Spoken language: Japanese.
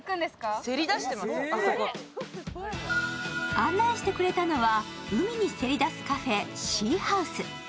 案内してくれたのは海にせり出すカフェＳＥＡＨＯＵＳＥ。